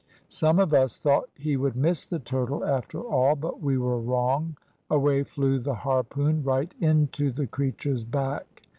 Some of us thought he would miss the turtle after all, but we were wrong. Away flew the harpoon right into the creature's back.